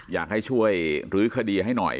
อยากให้ช่วยลื้อคดีให้หน่อย